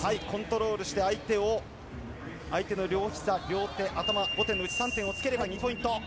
コントロールして、相手を、相手の両ひざ、両手、頭、３点をつければ、２ポイント。